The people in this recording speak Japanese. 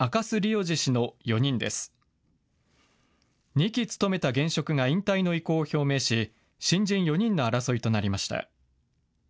２期務めた現職が引退の意向を表明し新人４人の争いとなりました。